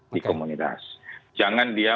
di komunitas jangan dia